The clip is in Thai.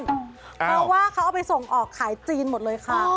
เพราะว่าเขาเอาไปส่งออกขายจีนหมดเลยค่ะ